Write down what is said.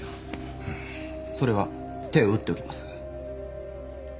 それは手を打っておきます。